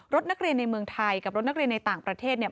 รถนักเรียนในเมืองไทยกับรถนักเรียนในต่างประเทศเนี่ย